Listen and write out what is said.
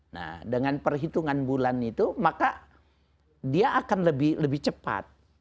nah dengan perhitungan bulan itu maka dia akan lebih cepat